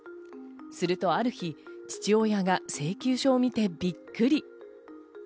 するとある日、父親が請求書を見てびっくり。